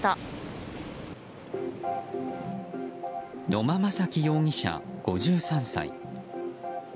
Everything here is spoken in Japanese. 野間正記容疑者、５３歳。